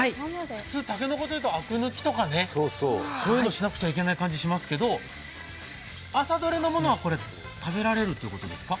普通、たけのこというとあく抜きとかしなきゃいけない感じがしますけど朝どれのものは食べられるということですか。